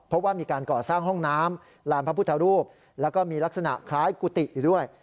เพราะว่ามีการก่อสร้างห้องน้ำลานพระพุทธรูปแล้วก็มีลักษณะคล้ายกุฏิอยู่ด้วย